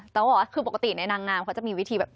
แต่เขาบอกว่าคือปกติในน้ำเขาจะมีวิธีแบบ